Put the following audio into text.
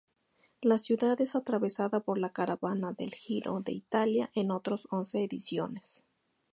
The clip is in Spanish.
La ciudad es atravesada por la caravana del Giro d'Italia en otros once ediciones.